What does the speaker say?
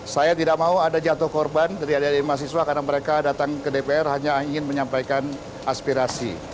saya tidak mau ada jatuh korban dari adik adik mahasiswa karena mereka datang ke dpr hanya ingin menyampaikan aspirasi